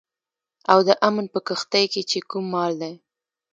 او د امن په کښتئ کې چې کوم مال دی